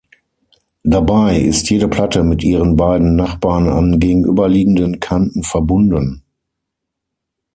Dabei ist jede Platte mit ihren beiden Nachbarn an gegenüberliegenden Kanten verbunden.